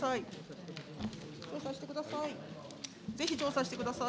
調査してください。